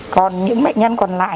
còn những bệnh nhân còn lại